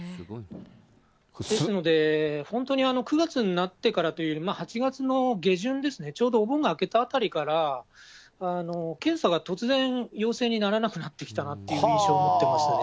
ですので、本当に９月になってからというより、８月の下旬ですね、ちょうどお盆が明けたあたりから、検査が突然、陽性にならなくなってきたなっていう印象を持ってますね。